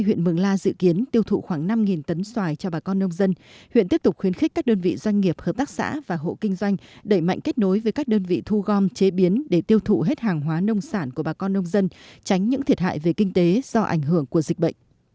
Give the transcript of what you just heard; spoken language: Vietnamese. huyện mường la có ba sản phẩm nông sản đẩy mạnh các hoạt động xúc tiến thương mại tìm kiếm đối tác mở rộng thị trường tiêu thụ